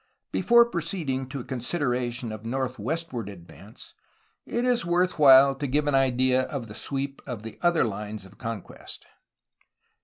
Before proceeding to a consideration of northwestward advance, it is worth while to give an idea, of the sweep of the other lines of conquest.